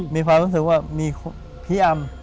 มีความรู้สึกว่ามีพี่อำ